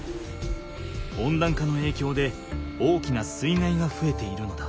温暖化のえいきょうで大きな水害がふえているのだ。